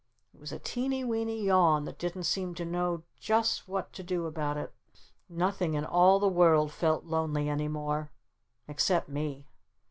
It was a teeny weeny yawn that didn't seem to know just what to do about it. Nothing in all the world felt lonely any more. Except me.